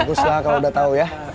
bagus lah kalo udah tau ya